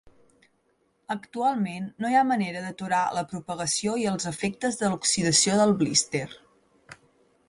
Actualment, no hi ha manera d'aturar la propagació i els efectes de l'oxidació del blíster.